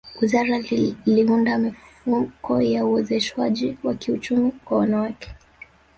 wizara liunda mifuko ya uwezeshwaji wa kiuchumi kwa wanawake